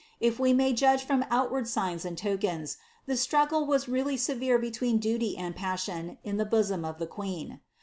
If we may judge from outward signs and tokens, the struggle was really severe between duty tod passion in the bosom of the queen.